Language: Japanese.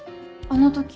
あの時？